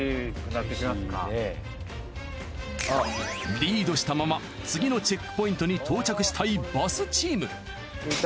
リードしたまま次のチェックポイントに到着したいバスチーム。